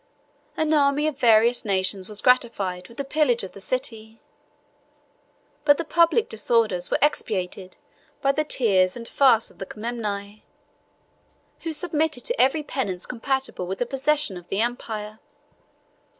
An army of various nations was gratified with the pillage of the city; but the public disorders were expiated by the tears and fasts of the Comneni, who submitted to every penance compatible with the possession of the empire.